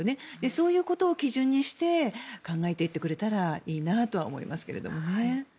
そういうことを基準にして考えていってくれたらいいなとは思いますけれどね。